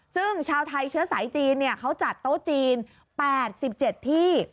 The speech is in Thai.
ซึ่งชาวไทยเชื้อสายจีนเขาจัดโต๊ะจีน๘๗ที่